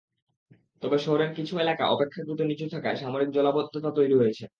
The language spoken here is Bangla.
তবে শহরের কিছু এলাকা অপেক্ষাকৃত নিচু থাকায় সাময়িক জলাবদ্ধতা তৈরি হচ্ছে।